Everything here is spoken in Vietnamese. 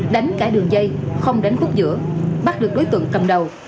đánh cả đường dây không đánh khúc giữa bắt được đối tượng cầm đầu